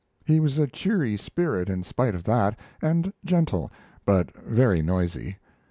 He was a cheery spirit in spite of that, and gentle, but very noisy.